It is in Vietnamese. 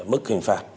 mức hình phạt